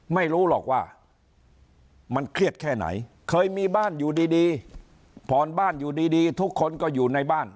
ไม่รู้หรอกว่ามันเครียดแค่ไหนเคยมีบ้านอยู่ดีผ่อนบ้านอยู่ดีทุกคนก็อยู่ในบ้าน